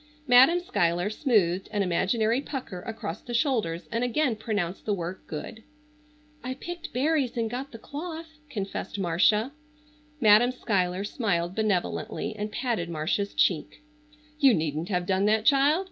Madam Schuyler smoothed an imaginary pucker across the shoulders and again pronounced the work good. "I picked berries and got the cloth," confessed Marcia. Madam Schuyler smiled benevolently and patted Marcia's cheek. "You needn't have done that, child.